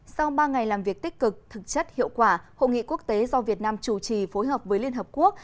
sau ba ngày làm việc tích cực thực chất hiệu quả hội nghị quốc tế do việt nam chủ trì phối hợp với liên hợp quốc